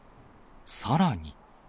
さらに。